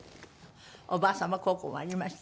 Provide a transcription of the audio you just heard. おばあ様孝行になりましたよね